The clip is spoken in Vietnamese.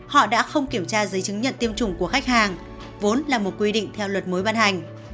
họ đã không kiểm tra giấy chứng nhận tiêm chủng của khách hàng vốn là một quy định theo luật mới ban hành